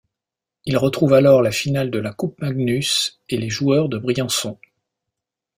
Ils retrouvent alors la finale de la Coupe Magnus et les joueurs de Briançon.